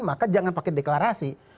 maka jangan pakai deklarasi